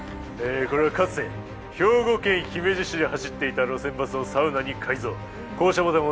これはかつて兵庫県姫路市で走っていた路線バスをサウナに改造。